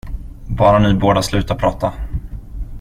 Bara ni båda slutar prata.